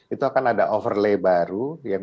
itu akan ada overlay baru